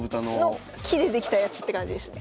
の木で出来たやつって感じですね。